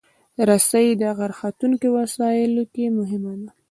رسۍ د غر ختونکو وسایلو کې مهمه ده.